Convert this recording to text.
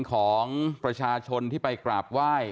ของประชาชนที่ไปกราบไหว้